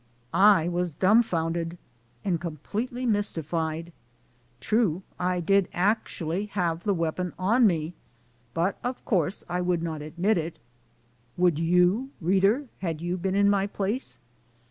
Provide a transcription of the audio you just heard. I was dumfounded and completely mystified. True, I did actually have the weapon on me, but of course I would not admit it! Would you reader, had you been in my place?